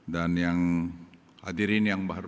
dan yang hadirin yang bahagia